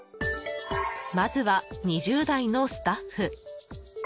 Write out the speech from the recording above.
まずは２０代のスタッフ。